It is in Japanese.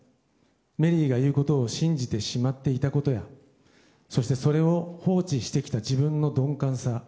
メリーが言うことを信じてしまっていたことやそして、それを放置してきた自分の鈍感さ